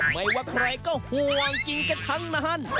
ไม่ว่าใครก็ห่วงกินกันทั้งนาน